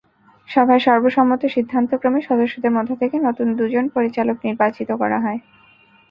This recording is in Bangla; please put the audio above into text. সভায় সর্বসম্মত সিদ্ধান্তক্রমে সদস্যদের মধ্য থেকে নতুন দুজন পরিচালক নির্বাচিত করা হয়।